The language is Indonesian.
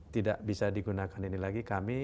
tidak bisa digunakan ini lagi kami